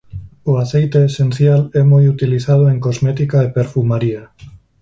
O aceite esencial é moi utilizado en cosmética e perfumaría.